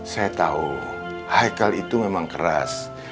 saya tahu hikal itu memang keras